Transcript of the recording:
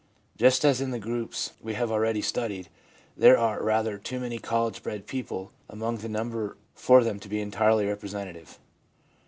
Just as in the groups we have already studied, there are rather too many college bred people among the number for them to be entirely representative.